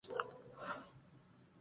Es sede del condado de Sunflower.